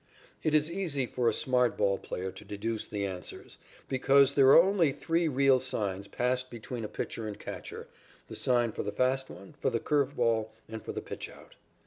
It is easy for a smart ball player to deduce the answers, because there are only three real signs passed between a pitcher and catcher, the sign for the fast one, for the curve ball and for the pitchout.